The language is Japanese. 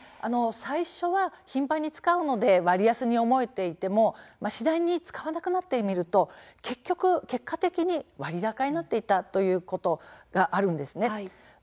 最初は頻繁に使うので割安に思えていても次第に使わなくなると結果的に割高になっていたということがあるんですね。